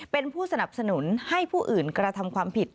เป็นผู้สนับสนุนให้ผู้อื่นกระทำความผิด